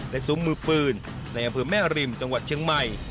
และซุ้มมือปืนในอำเภอแม่ริมจังหวัดเชียงใหม่